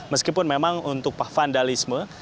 meskipun memang untuk vandalisme